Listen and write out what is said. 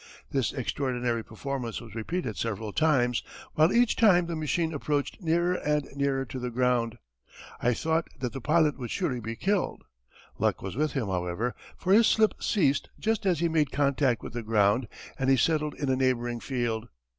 This extraordinary performance was repeated several times, while each time the machine approached nearer and nearer to the ground. I thought that the pilot would surely be killed. Luck was with him, however, for his slip ceased just as he made contact with the ground and he settled in a neighbouring field.